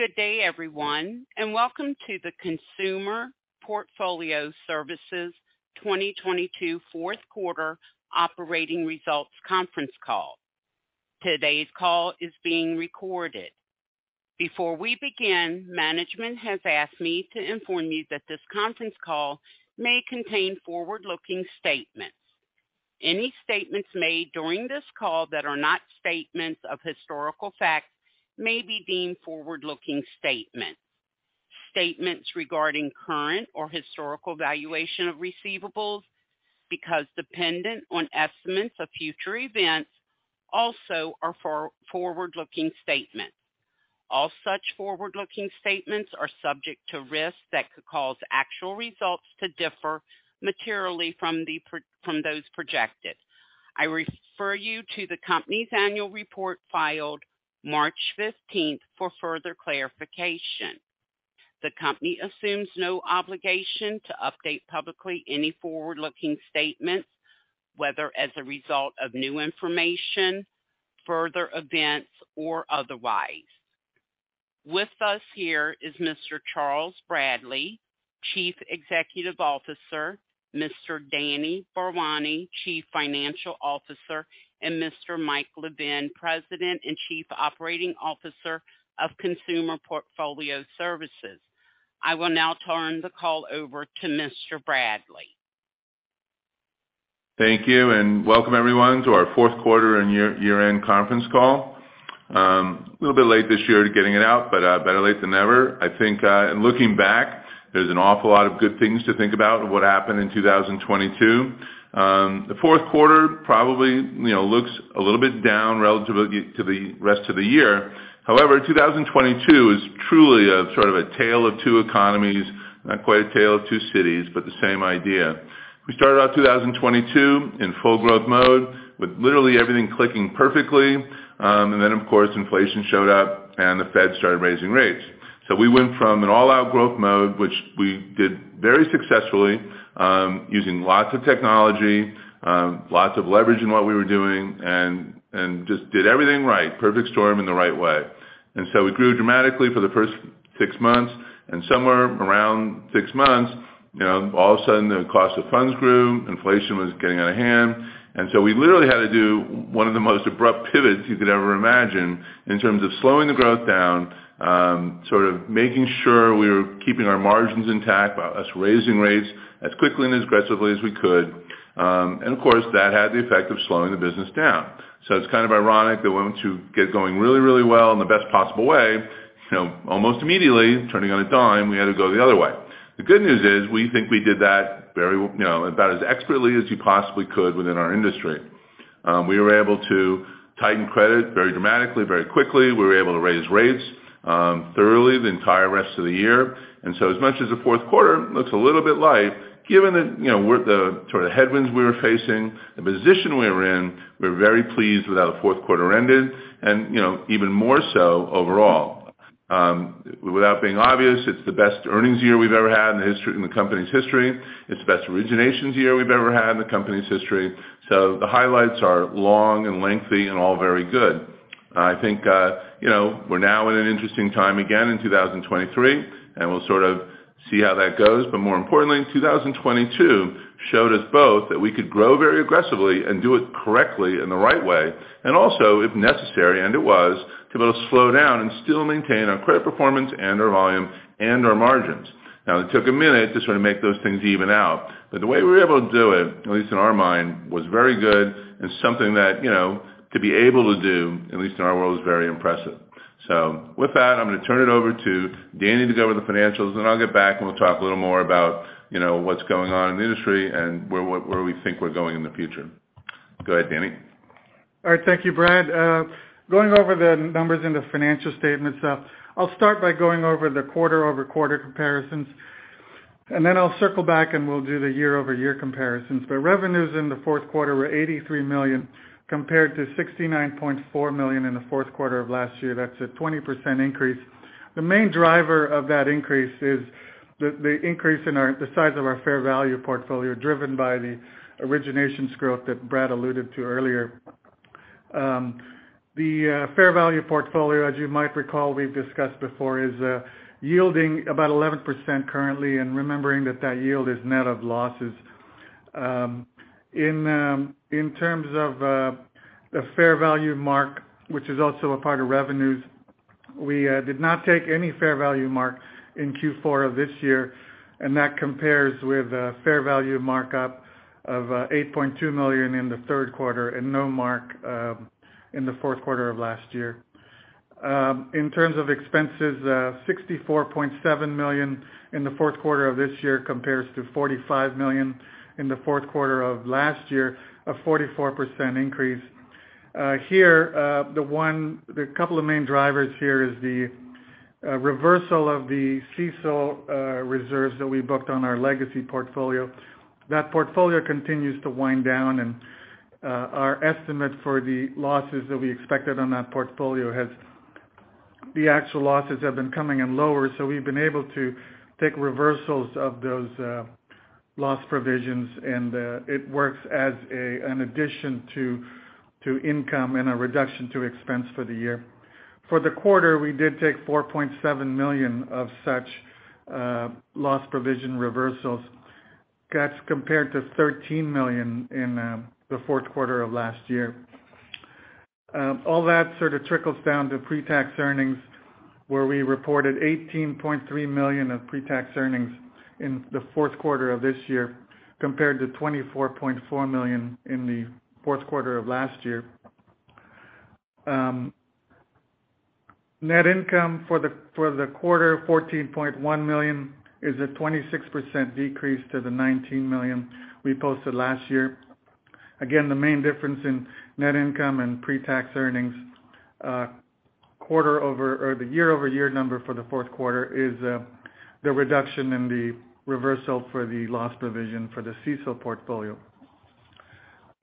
Good day, everyone. Welcome to the Consumer Portfolio Services 2022 fourth quarter operating results conference call. Today's call is being recorded. Before we begin, management has asked me to inform you that this conference call may contain forward-looking statements. Any statements made during this call that are not statements of historical facts may be deemed forward-looking statements. Statements regarding current or historical valuation of receivables because dependent on estimates of future events also are forward-looking statements. All such forward-looking statements are subject to risks that could cause actual results to differ materially from those projected. I refer you to the company's annual report filed March 15th for further clarification. The company assumes no obligation to update publicly any forward-looking statements, whether as a result of new information, further events, or otherwise. With us here is Mr. Charles Bradley, Chief Executive Officer, Mr. Danny Bharwani, Chief Financial Officer, and Mr. Mike Lavin, President and Chief Operating Officer of Consumer Portfolio Services. I will now turn the call over to Mr. Bradley. Thank you. Welcome everyone to our fourth quarter and year-end conference call. A little bit late this year to getting it out, but better late than never. I think, in looking back, there's an awful lot of good things to think about what happened in 2022. The fourth quarter probably, you know, looks a little bit down relative to the rest of the year. 2022 is truly a sort of a tale of two economies, not quite a tale of two cities, but the same idea. We started out 2022 in full growth mode with literally everything clicking perfectly. Then, of course, inflation showed up, and the Fed started raising rates. We went from an all-out growth mode, which we did very successfully, using lots of technology, lots of leverage in what we were doing, and just did everything right, perfect storm in the right way. We grew dramatically for the first six months, and somewhere around six months, you know, all of a sudden, the cost of funds grew, inflation was getting out of hand. We literally had to do one of the most abrupt pivots you could ever imagine in terms of slowing the growth down, sort of making sure we were keeping our margins intact by us raising rates as quickly and aggressively as we could. Of course, that had the effect of slowing the business down. It's ironic that we went to get going really, really well in the best possible way, you know, almost immediately turning on a dime, we had to go the other way. The good news is we think we did that very, you know, about as expertly as you possibly could within our industry. We were able to tighten credit very dramatically, very quickly. We were able to raise rates thoroughly the entire rest of the year. As much as the fourth quarter looks a little bit light, given that, you know, the sort of headwinds we were facing, the position we were in, we're very pleased with how the fourth quarter ended and, you know, even more so overall. Without being obvious, it's the best earnings year we've ever had in the company's history. It's the best originations year we've ever had in the company's history. The highlights are long and lengthy and all very good. I think, you know, we're now at an interesting time again in 2023, and we'll sort of see how that goes. More importantly, in 2022 showed us both that we could grow very aggressively and do it correctly in the right way, and also, if necessary, and it was, to both slow down and still maintain our credit performance and our volume and our margins. It took a minute to sort of make those things even out. The way we were able to do it, at least in our mind, was very good and something that, you know, to be able to do, at least in our world, is very impressive. With that, I'm gonna turn it over to Danny to go over the financials, and I'll get back, and we'll talk a little more about, you know, what's going on in the industry and where we think we're going in the future. Go ahead, Danny. All right. Thank you, Brad. Going over the numbers in the financial statements, I'll start by going over the quarter-over-quarter comparisons, and then I'll circle back, and we'll do the year-over-year comparisons. Revenues in the fourth quarter were $83 million compared to $69.4 million in the fourth quarter of last year. That's a 20% increase. The main driver of that increase is the increase in the size of our fair value portfolio driven by the originations growth that Brad alluded to earlier. The fair value portfolio, as you might recall we've discussed before, is yielding about 11% currently, and remembering that that yield is net of losses. In terms of the fair value mark, which is also a part of revenues, we did not take any fair value mark in Q4 of this year, and that compares with a fair value markup of $8.2 million in the third quarter and no mark in the fourth quarter of last year. In terms of expenses, $64.7 million in the fourth quarter of this year compares to $45 million in the fourth quarter of last year, a 44% increase. Here, the couple of main drivers here is the reversal of the CECL reserves that we booked on our legacy portfolio. That portfolio continues to wind down, and our estimate for the losses that we expected on that portfolio has... The actual losses have been coming in lower, so we've been able to take reversals of those Loss provisions, and it works as an addition to income and a reduction to expense for the year. For the quarter, we did take $4.7 million of such loss provision reversals. That's compared to $13 million in the fourth quarter of last year. All that sort of trickles down to pre-tax earnings, where we reported $18.3 million of pre-tax earnings in the fourth quarter of this year, compared to $24.4 million in the fourth quarter of last year. Net income for the quarter, $14.1 million, is a 26% decrease to the $19 million we posted last year. The main difference in net income and pre-tax earnings, the year-over-year number for the fourth quarter is the reduction in the reversal for the loss provision for the CECL portfolio.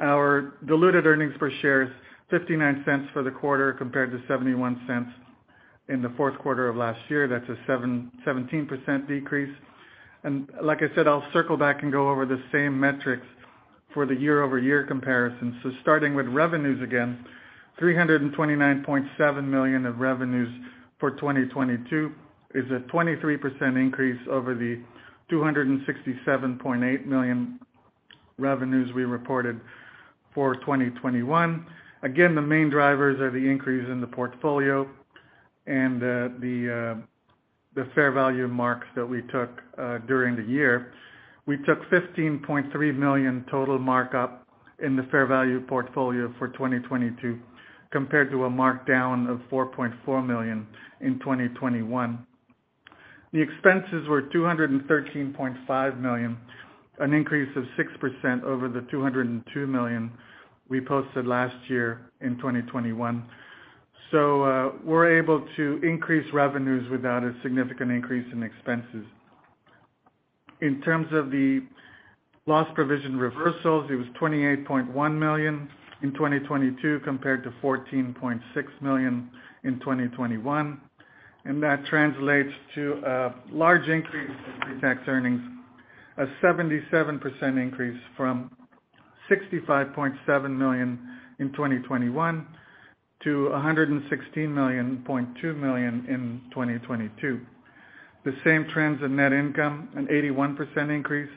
Our diluted earnings per share is $0.59 for the quarter, compared to $0.71 in the fourth quarter of last year. That's a 17% decrease. Like I said, I'll circle back and go over the same metrics for the year-over-year comparison. Starting with revenues again, $329.7 million of revenues for 2022 is a 23% increase over the $267.8 million revenues we reported for 2021. The main drivers are the increase in the portfolio and the fair value marks that we took during the year. We took $15.3 million total markup in the fair value portfolio for 2022, compared to a markdown of $4.4 million in 2021. The expenses were $213.5 million, an increase of 6% over the $202 million we posted last year in 2021. We're able to increase revenues without a significant increase in expenses. In terms of the loss provision reversals, it was $28.1 million in 2022, compared to $14.6 million in 2021, and that translates to a large increase in pre-tax earnings, a 77% increase from $65.7 million in 2021 to $116.2 million in 2022. The same trends in net income, an 81% increase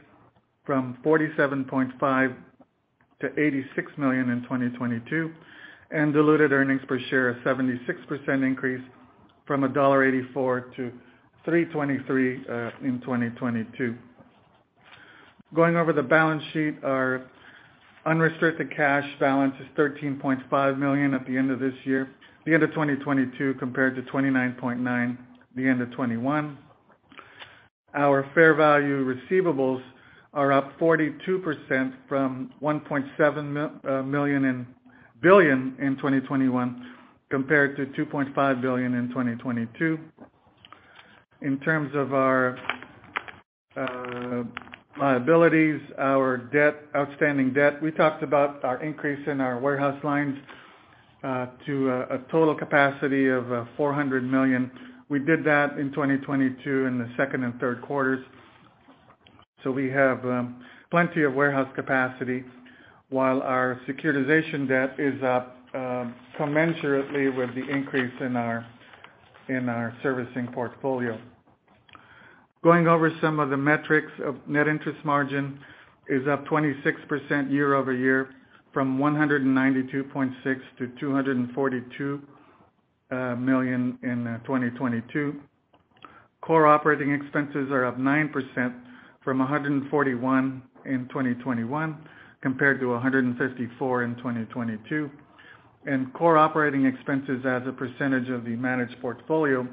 from $47.5 million-$86 million in 2022. Diluted earnings per share, a 76% increase from $1.84-$3.23 in 2022. Going over the balance sheet, our unrestricted cash balance is $13.5 million at the end of this year, the end of 2022, compared to $29.9 million at the end of 2021. Our fair value receivables are up 42% from $1.7 billion in 2021, compared to $2.5 billion in 2022. In terms of our liabilities, our debt, outstanding debt, we talked about our increase in our warehouse lines to a total capacity of $400 million. We did that in 2022 in the second and third quarters. We have plenty of warehouse capacity while our securitization debt is up commensurately with the increase in our Servicing Portfolio. Going over some of the metrics of net interest margin is up 26% year-over-year from $192.6 million-$242 million in 2022. Core operating expenses are up 9% from $141 million in 2021 compared to $154 million in 2022. Core operating expenses as a percentage of the managed portfolio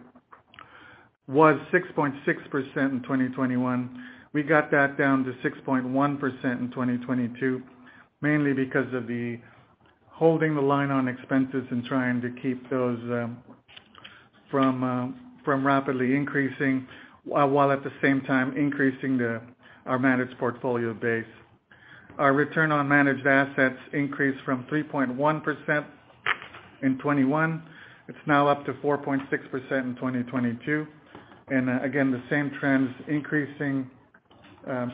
was 6.6% in 2021. We got that down to 6.1% in 2022, mainly because of the holding the line on expenses and trying to keep those from rapidly increasing while at the same time increasing our managed portfolio base. Our return on managed assets increased from 3.1% in 2021. It's now up to 4.6% in 2022. Again, the same trends, increasing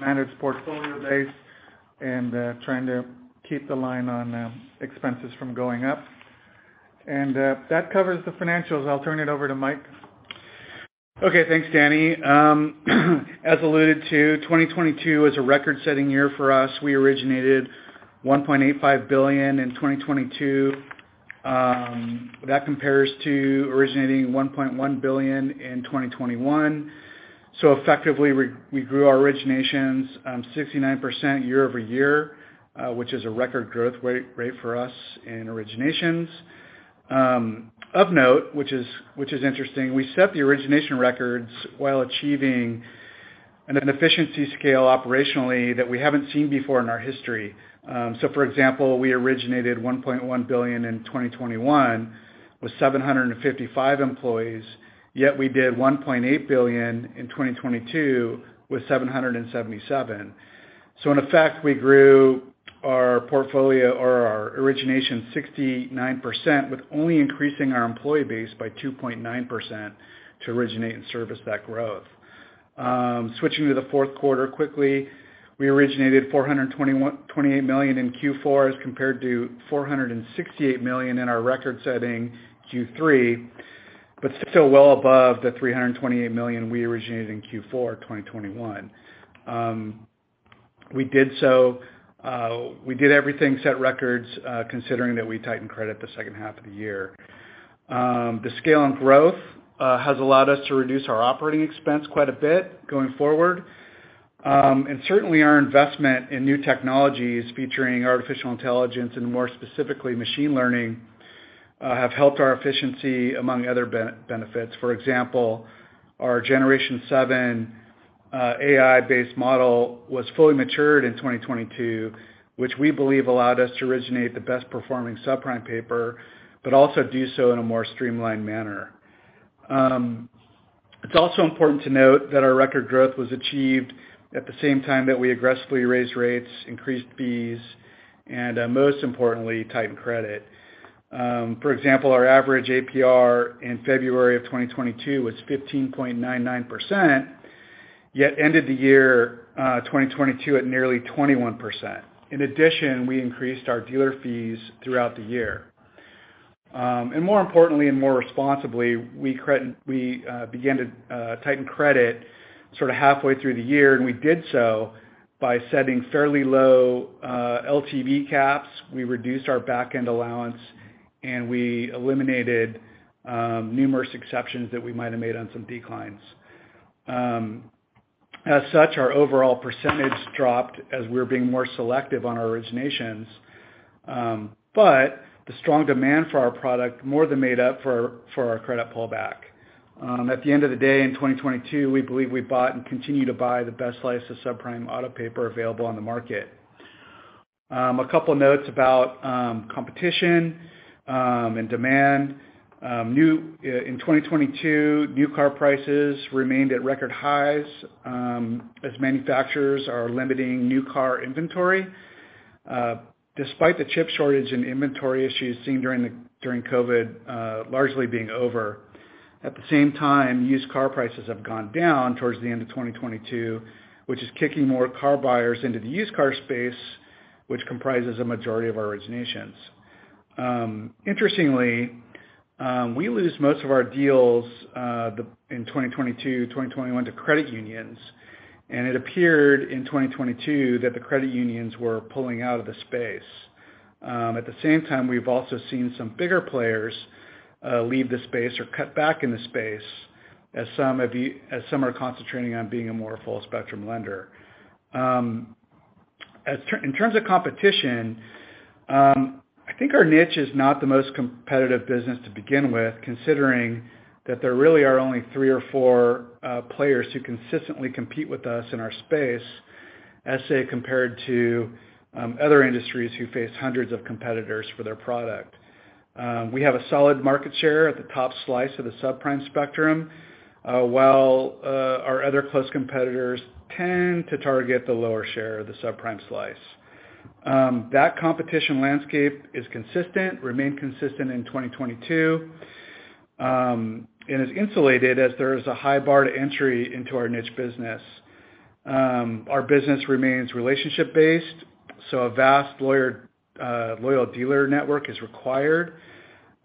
managed portfolio base and trying to keep the line on expenses from going up. That covers the financials. I'll turn it over to Mike. Okay, thanks, Danny. As alluded to, 2022 is a record-setting year for us. We originated $1.85 billion in 2022. That compares to originating $1.1 billion in 2021. Effectively, we grew our originations 69% year-over-year, which is a record growth rate for us in originations. Of note, which is interesting, we set the origination records while achieving an efficiency scale operationally that we haven't seen before in our history. For example, we originated $1.1 billion in 2021 with 755 employees, yet we did $1.8 billion in 2022 with 777 employees. In effect, we grew our portfolio or our origination 69% with only increasing our employee base by 2.9% to originate and service that growth. Switching to the fourth quarter quickly, we originated $428 million in Q4 as compared to $468 million in our record-setting Q3, but still well above the $328 million we originated in Q4 2021. We did so, everything set records, considering that we tightened credit the second half of the year. The scale and growth has allowed us to reduce our operating expense quite a bit going forward. Certainly our investment in new technologies featuring artificial intelligence and more specifically machine learning have helped our efficiency among other benefits. For example, our Generation 7 AI-based model was fully matured in 2022, which we believe allowed us to originate the best-performing subprime paper, but also do so in a more streamlined manner. It's also important to note that our record growth was achieved at the same time that we aggressively raised rates, increased fees, and most importantly, tightened credit. For example, our average APR in February of 2022 was 15.99%, yet ended the year 2022 at nearly 21%. In addition, we increased our dealer fees throughout the year. More importantly and more responsibly, we began to tighten credit sort of halfway through the year, we did so by setting fairly low LTV caps. We reduced our back-end allowance, we eliminated numerous exceptions that we might have made on some declines. As such, our overall percentage dropped as we're being more selective on our originations, the strong demand for our product more than made up for our credit pullback. At the end of the day in 2022, we believe we bought and continue to buy the best slice of subprime auto paper available on the market. A couple notes about competition and demand. In 2022, new car prices remained at record highs, as manufacturers are limiting new car inventory, despite the chip shortage and inventory issues seen during COVID, largely being over. At the same time, used car prices have gone down towards the end of 2022, which is kicking more car buyers into the used car space, which comprises a majority of our originations. Interestingly, we lose most of our deals in 2022, 2021 to credit unions, and it appeared in 2022 that the credit unions were pulling out of the space. At the same time, we've also seen some bigger players leave the space or cut back in the space as some are concentrating on being a more full spectrum lender. In terms of competition, I think our niche is not the most competitive business to begin with, considering that there really are only three or four players who consistently compete with us in our space, as say, compared to other industries who face hundreds of competitors for their product. We have a solid market share at the top slice of the subprime spectrum, while our other close competitors tend to target the lower share of the subprime slice. That competition landscape is consistent, remained consistent in 2022, and is insulated as there is a high bar to entry into our niche business. Our business remains relationship-based, so a vast loyal dealer network is required.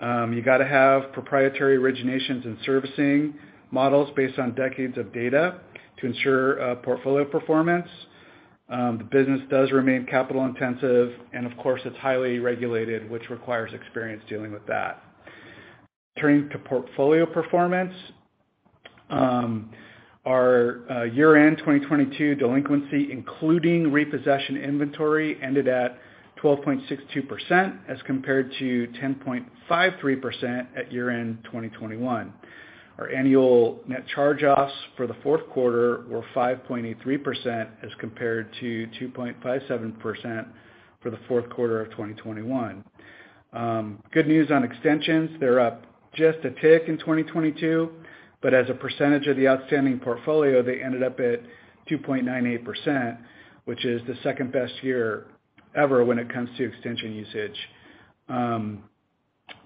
You gotta have proprietary originations and servicing models based on decades of data to ensure portfolio performance. The business does remain capital-intensive, and of course, it's highly regulated, which requires experience dealing with that. Turning to portfolio performance, our year-end 2022 delinquency, including repossession inventory, ended at 12.62% as compared to 10.53% at year-end 2021. Our annual net charge-offs for the fourth quarter were 5.83% as compared to 2.57% for the fourth quarter of 2021. Good news on extensions. They're up just a tick in 2022, but as a percentage of the outstanding portfolio, they ended up at 2.98%, which is the second-best year ever when it comes to extension usage.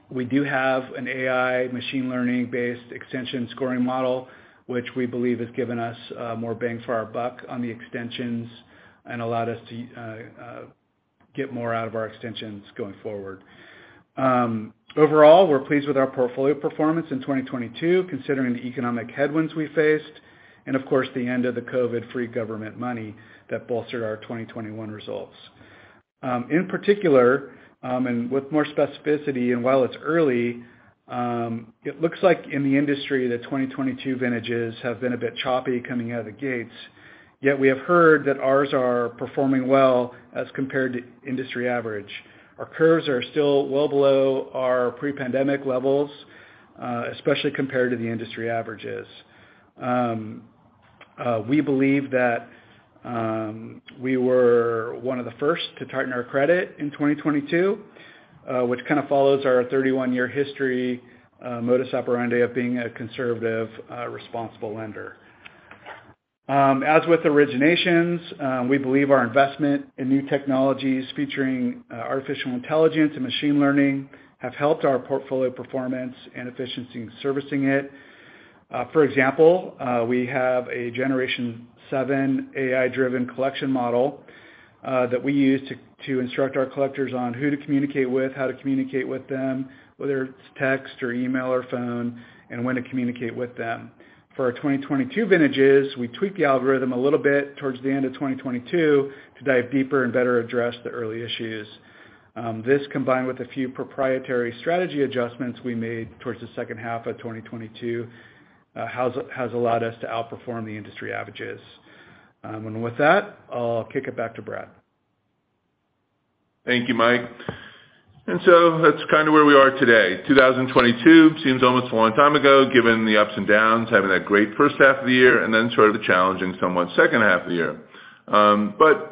We do have an AI machine learning-based extension scoring model, which we believe has given us more bang for our buck on the extensions and allowed us to get more out of our extensions going forward. Overall, we're pleased with our portfolio performance in 2022, considering the economic headwinds we faced and of course, the end of the COVID-free government money that bolstered our 2021 results. In particular, and with more specificity and while it's early, it looks like in the industry that 2022 vintages have been a bit choppy coming out of the gates, yet we have heard that ours are performing well as compared to industry average. Our curves are still well below our pre-pandemic levels, especially compared to the industry averages. We believe that we were one of the first to tighten our credit in 2022. Which follows our 31 year history, modus operandi of being a conservative, responsible lender. As with originations, we believe our investment in new technologies featuring artificial intelligence and machine learning have helped our portfolio performance and efficiency in servicing it. For example, we have a Generation 7 AI-driven collection model that we use to instruct our collectors on who to communicate with, how to communicate with them, whether it's text or email or phone, and when to communicate with them. For our 2022 vintages, we tweaked the algorithm a little bit towards the end of 2022 to dive deeper and better address the early issues. This combined with a few proprietary strategy adjustments we made towards the second half of 2022, has allowed us to outperform the industry averages. With that, I'll kick it back to Brad. Thank you, Mike. That's where we are today. 2022 seems almost a long time ago, given the ups and downs, having that great first half of the year and then sort of a challenging somewhat second half of the year. I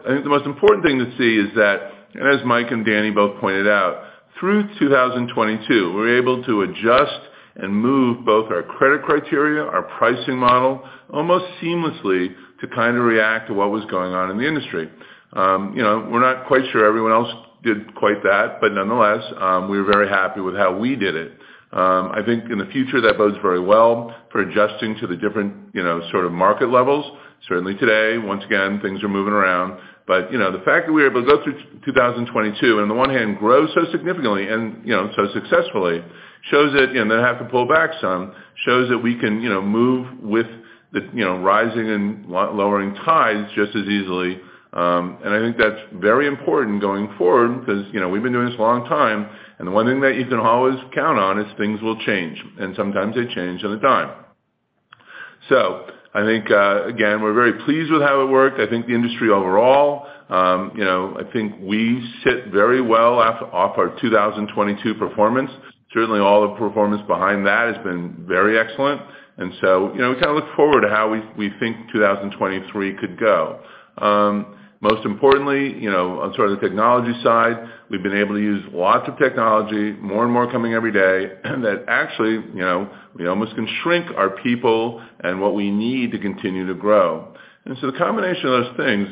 think the most important thing to see is that, and as Mike and Danny both pointed out, through 2022, we were able to adjust and move both our credit criteria, our pricing model, almost seamlessly to react to what was going on in the industry. You know, we're not quite sure everyone else did quite that. Nonetheless, we're very happy with how we did it. I think in the future, that bodes very well for adjusting to the different, you know, sort of market levels. Certainly today, once again, things are moving around. You know, the fact that we were able to go through 2022, on the one hand grow so significantly and, you know, so successfully shows that, you know, have to pull back some, shows that we can, you know, move with the, you know, rising and lowering tides just as easily. I think that's very important going forward because, you know, we've been doing this a long time, and the one thing that you can always count on is things will change, and sometimes they change on a dime. I think, again, we're very pleased with how it worked. I think the industry overall, I think we sit very well off our 2022 performance. Certainly all the performance behind that has been very excellent. You know, we look forward to how we think 2023 could go. Most importantly on sort of the technology side, we've been able to use lots of technology, more and more coming every day, that actually we almost can shrink our people and what we need to continue to grow. The combination of those things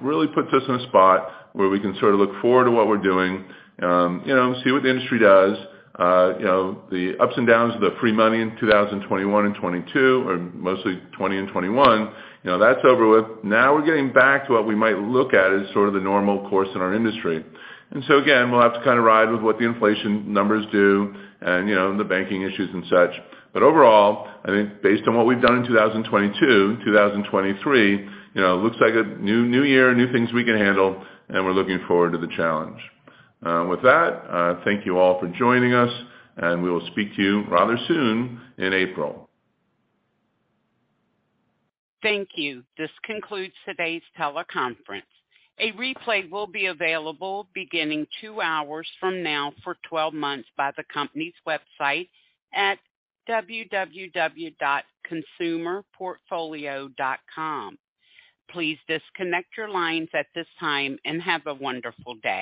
really puts us in a spot where we can sort of look forward to what we're doing, you know, see what the industry does. The ups and downs of the free money in 2021 and 2022, or mostly 2021, you know, that's over with. Now we're getting back to what we might look at as sort of the normal course in our industry. Again, we'll have to kinda ride with what the inflation numbers do and, you know, the banking issues and such. Overall, I think based on what we've done in 2022, 2023, you know, looks like a new year, new things we can handle, and we're looking forward to the challenge. With that, thank you all for joining us, and we will speak to you rather soon in April. Thank you. This concludes today's teleconference. A replay will be available beginning two hours from now for 12 months by the company's website at www.consumerportfolio.com. Please disconnect your lines at this time and have a wonderful day.